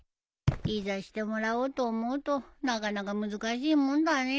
いざしてもらおうと思うとなかなか難しいもんだね。